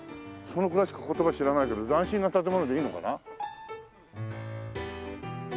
そのくらいしか言葉知らないけど斬新な建物でいいのかな？